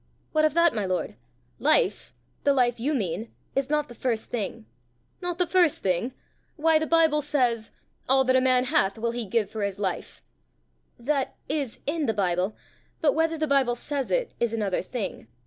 "What of that, my lord! Life, the life you mean, is not the first thing." "Not the first thing! Why, the Bible says, 'All that a man hath will he give for his life'!" "That is in the Bible; but whether the Bible says it, is another thing."